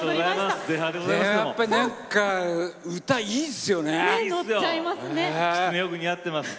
やっぱ、歌いいっすよね！